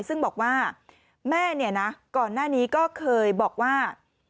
ซึ่งบอกว่าแม่เนี่ยนะก่อนหน้านี้ก็เคยบอกว่า